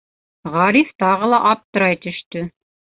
Ғариф тағы ла аптырай төштө: